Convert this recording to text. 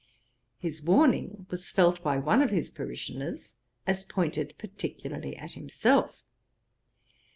His warning was felt by one of his parishioners, as pointed particularly at himself.